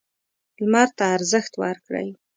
لمر ته ارزښت ورکړئ.